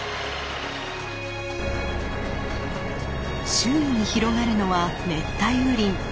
周囲に広がるのは熱帯雨林。